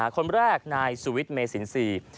คนแรกนายสุวิทเมศี